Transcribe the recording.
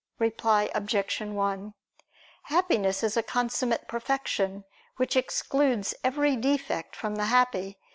Reply Obj. 1: Happiness is consummate perfection, which excludes every defect from the happy.